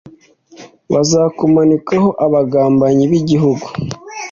baza kumanikaho abagambanyi bigihugu